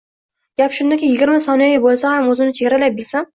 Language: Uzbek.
Gap shundaki, yigirma soniyaga boʻlsa ham oʻzimni chegaralay bilsam